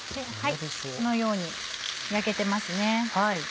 このように焼けてますね。